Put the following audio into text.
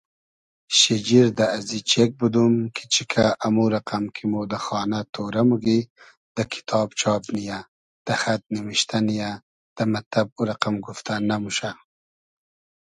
شیجیر دۂ ازی چېگ بودوم کی چیکۂ امو رئقئم کی مۉ دۂ خانۂ تۉرۂ موگی دۂ کیتاب چاب نییۂ دۂ خئد نیمیشتۂ نییۂ دۂ مئتتئب او رئقئم گوفتۂ نئموشۂ